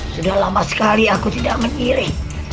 sudah lama sekali aku tidak meniri